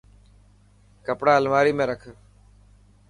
ڪپڙا الماري ۾ رک.